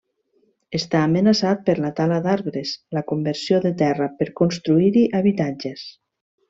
Està amenaçat per la tala d'arbres, la conversió de terra per construir-hi habitatges.